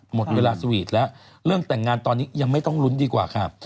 หมดเวลาสวีทแล้วเรื่องแต่งงานตอนนี้ยังไม่ต้องลุ้นดีกว่าค่ะ